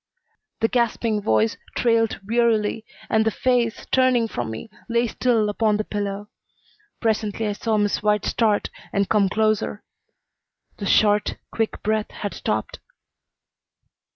The gasping voice trailed wearily and the face, turning from me, lay still upon the pillow. Presently I saw Miss White start and come closer. The short, quick breath had stopped.